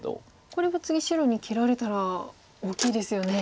これは次白に切られたら大きいですよね。